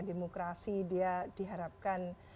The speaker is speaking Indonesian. demokrasi dia diharapkan